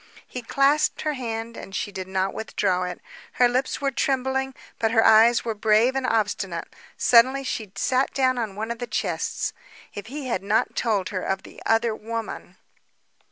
He clasped her hand and she did not withdraw it. Her lips were trembling, but her eyes were brave and obstinate. Suddenly she sat down upon one of the chests. If he had not told her of the other woman!